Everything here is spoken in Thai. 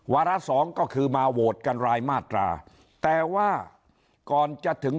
วาระสองก็คือมาโหวตกันรายมาตราแต่ว่าก่อนจะถึง